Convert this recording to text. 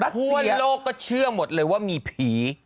ทั่วโลกก็เชื่อหมดเลยว่ามีผี